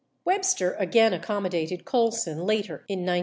Webster again accommodated Colson later in 1971.